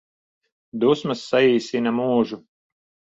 Dusmas saīsina mūžu